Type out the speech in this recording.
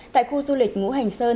tại khu du lịch ngũ hành sơn